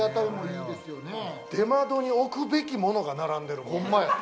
出窓に置くべきものが並んでる。